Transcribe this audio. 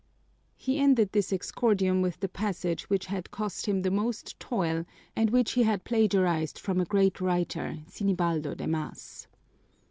He ended this exordium with the passage which had cost him the most toil and which he had plagiarized from a great writer, Sinibaldo de Mas.